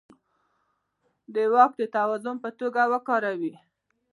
د واک د توازن په توګه وکاروي.